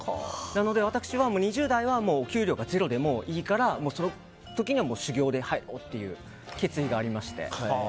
なので、私は２０代は給料がゼロでもいいからその時には修業で入ろうっていう決意がありまして。